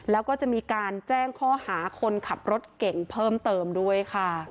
แล้วก็จะมีการแจ้งข้อหาคนขับรถเก่งเพิ่มเติมด้วยค่ะ